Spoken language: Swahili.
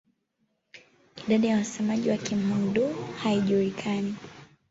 Idadi ya wasemaji wa Kihmong-Dô haijulikani.